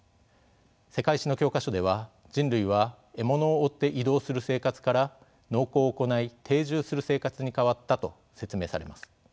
世界史の教科書では「人類は獲物を追って移動する生活から農耕を行い定住する生活に変わった」と説明されます。